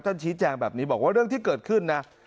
ชี้แจงแบบนี้บอกว่าเรื่องที่เกิดขึ้นนะ